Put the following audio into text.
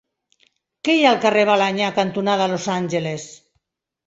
Què hi ha al carrer Balenyà cantonada Los Angeles?